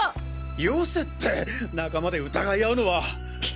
よせって仲間で疑い合うのは！